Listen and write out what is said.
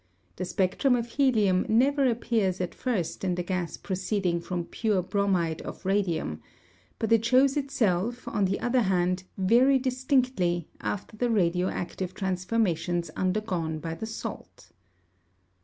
The spectrum of helium never appears at first in the gas proceeding from pure bromide of radium; but it shows itself, on the other hand, very distinctly, after the radioactive transformations undergone by the salt.